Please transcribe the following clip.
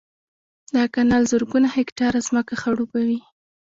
دا کانال زرګونه هکټاره ځمکه خړوبوي